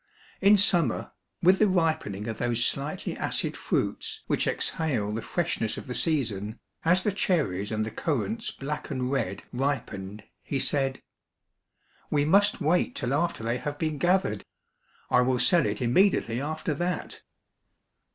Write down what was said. In summer, with the ripening of those slightly acid fruits which exhale the freshness of the season, as the cherries and the currants black and red ripened, he said, —" We must wait till after they have been gath ered. I will sell it immediately after that."